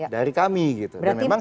dari kami gitu dan memang